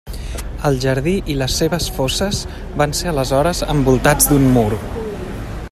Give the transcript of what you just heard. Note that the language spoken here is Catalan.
El jardí i les seves fosses van ser aleshores envoltats d'un mur.